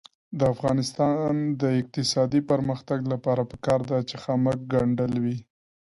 د افغانستان د اقتصادي پرمختګ لپاره پکار ده چې خامک ګنډل وي.